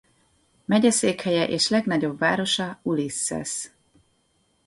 Megyeszékhelye és legnagyobb városa Ulysses.